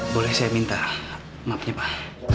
boleh saya minta maafnya pak